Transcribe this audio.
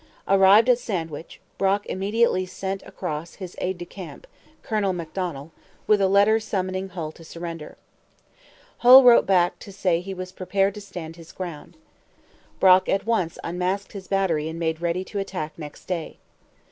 Arrived at Sandwich, Brock immediately sent across his aide de camp, Colonel Macdonell, with a letter summoning Hull to surrender. Hull wrote back to say he was prepared to stand his ground. Brock at once unmasked his battery and made ready to attack next day.